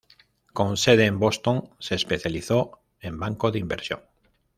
Con sede en Boston, se especializó en banco de inversión.